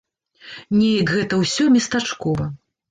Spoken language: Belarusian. Неяк гэта ўсё местачкова.